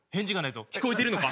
聞こえてるか？